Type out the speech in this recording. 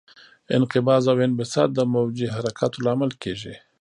انقباض او انبساط د موجي حرکاتو لامل کېږي.